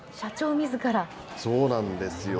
そうなんですよ。